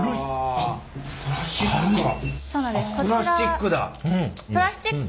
あっプラスチックだ。